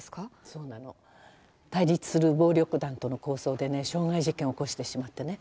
そうなの。対立する暴力団との抗争でね傷害事件を起こしてしまってね。